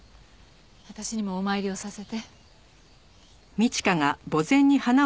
私にもお参りをさせて。